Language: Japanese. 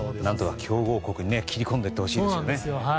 何とか強豪国に切り込んでほしいですね。